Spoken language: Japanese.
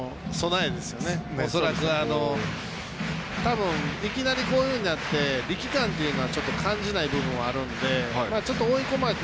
恐らく、いきなりこういうふうになって力感というのは感じない部分があるのでちょっと追い込まれて。